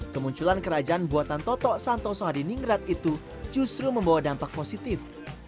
kemunculan kerajaan buatan toto santoso adi ningrat itu justru membawa dampak positif